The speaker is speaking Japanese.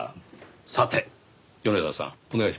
さて米沢さんお願いします。